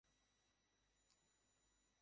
Roger, Roger, Angela চলে গেছে!